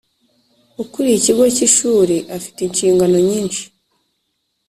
Ukuriye ikigo cy’ishuri afite inshingano nyinshi